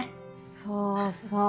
そうそう。